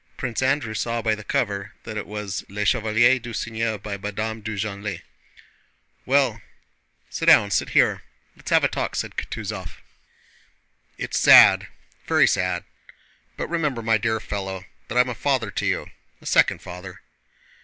Prince Andrew saw by the cover that it was Les Chevaliers du Cygne by Madame de Genlis. "Well, sit down, sit down here. Let's have a talk," said Kutúzov. "It's sad, very sad. But remember, my dear fellow, that I am a father to you, a second father...."